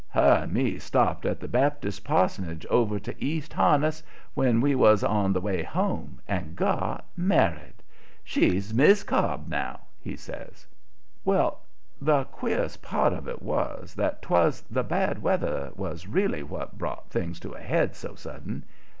Her and me stopped at the Baptist parsonage over to East Harniss when we was on the way home and got married. She's Mis' Cobb now," he says. Well, the queerest part of it was that 'twas the bad weather was really what brought things to a head so sudden.